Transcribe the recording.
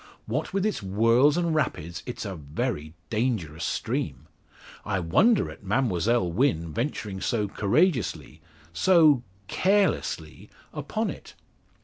What with its whirls and rapids, it's a very dangerous stream. I wonder at Mademoiselle Wynne venturing so courageously so carelessly upon it."